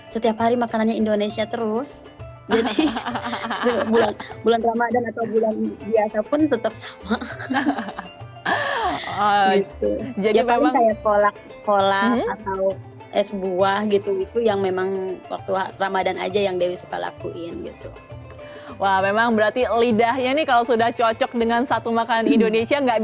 setiap hari makanannya indonesia terus jadi bulan ramadhan atau bulan biasa pun tetap sama hahaha